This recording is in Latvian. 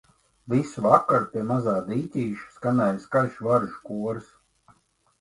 Visu vakaru pie mazā dīķīša skanēja skaļš varžu koris